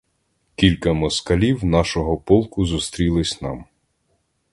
Кілька москалів нашого полку зустрілись нам.